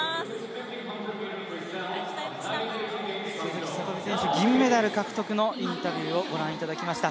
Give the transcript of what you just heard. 鈴木聡美選手、銀メダル獲得のインタビューをお聞きいただきました。